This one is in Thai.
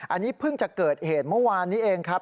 อันนี้เพิ่งจะเกิดเหตุเมื่อวานนี้เองครับ